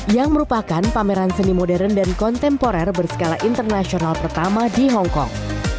yang merupakan pameran seni modern dan kontemporer berskala internasional pertama di hongkong